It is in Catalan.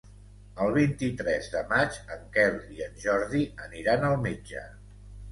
El vint-i-tres de maig en Quel i en Jordi aniran al metge.